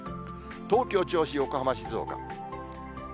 東京、銚子、横浜、静岡。